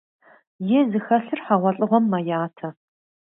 Е зыхэлъыр хьэгъуэлӀыгъуэм мэятэ.